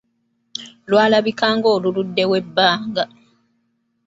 Lwalabika nga luluddewo ebbanga.